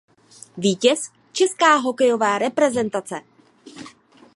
Vítěz Česká hokejová reprezentace.